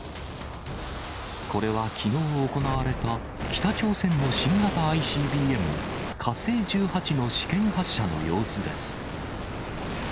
これはきのう行われた北朝鮮の新型ＩＣＢＭ、火星１８の試験発射の様子です。